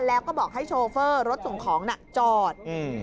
แล้วก็บอกให้โชเฟอร์รถส่งของน่ะจอดอืม